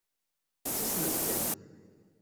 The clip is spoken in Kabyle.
Susmet kan.